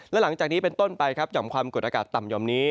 และหลังจากนี้เป็นต้นไปครับหย่อมความกดอากาศต่ำหย่อมนี้